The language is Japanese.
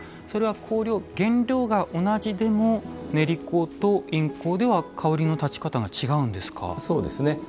原料が同じでも煉香と印香では香りのたち方が違うんですか。